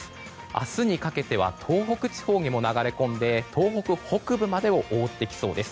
明日にかけては東北地方にも流れ込んで東北北部までを覆ってきそうです。